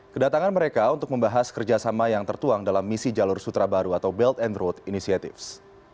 kedatangan mereka untuk membahas kerjasama yang tertuang dalam misi jalur sutra baru atau belt and road initiatives